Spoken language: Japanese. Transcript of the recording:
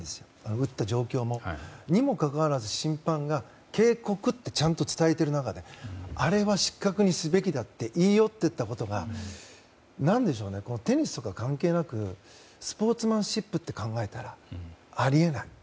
打った状況も。にもかかわらず、審判が警告とちゃんと伝えている中であれは失格にすべきだって言い寄っていったことがテニスとか関係なくスポーツマンシップって考えたらあり得ない。